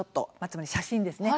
つまり写真ですね